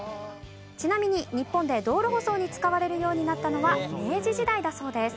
ちなみに日本で道路舗装に使われるようになったのは明治時代だそうです。